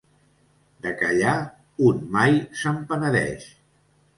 De callar, un mai se'n penedeix.